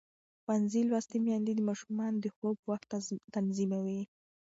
ښوونځې لوستې میندې د ماشومانو د خوب وخت تنظیموي.